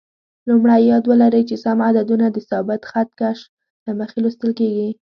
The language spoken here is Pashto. لومړی: یاد ولرئ چې سم عددونه د ثابت خط کش له مخې لوستل کېږي.